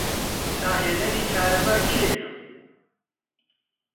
داهێنەری کارەبا کێیە؟